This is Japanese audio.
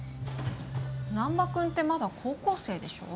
難破君ってまだ高校生でしょ？